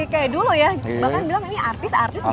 kayak dulu ya bahkan bilang ini artis artis nih